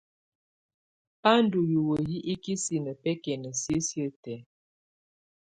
Bà ndù hiwǝ hi ikisinǝ bɛkɛna sisiǝ́ tɛ̀á.